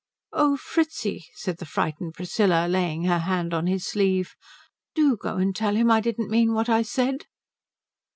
"Oh Fritzi," said the frightened Priscilla, laying her hand on his sleeve, "do go and tell him I didn't mean what I said."